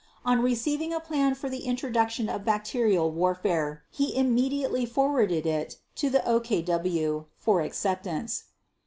On receiving a plan for the introduction of bacterial warfare he immediately forwarded it to the OKW for acceptance.